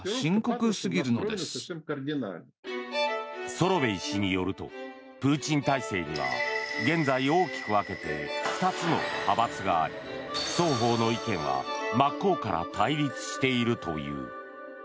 ソロベイ氏によるとプーチン体制には現在大きく分けて２つの派閥があり双方の意見は真っ向から対立しているという。